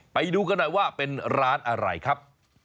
ไปดูกันหน่อยว่าเป็นร้านอะไรครับ